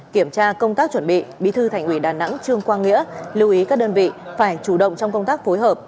kiểm tra công tác chuẩn bị bí thư thành ủy đà nẵng trương quang nghĩa lưu ý các đơn vị phải chủ động trong công tác phối hợp